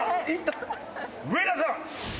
上田さん。